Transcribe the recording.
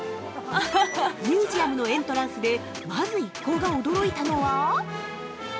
ミュージアムのエントランスで、まず一行が驚いたのは。